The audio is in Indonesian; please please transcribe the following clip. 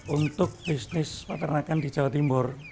untuk bisnis peternakan di jawa timur